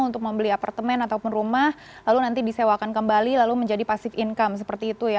untuk membeli apartemen ataupun rumah lalu nanti disewakan kembali lalu menjadi pasif income seperti itu ya